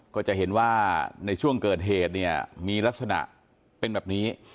ก็จะเห็นว่าในช่วงเกิดเหตุเนี่ยมีลักษณะเป็นแบบนี้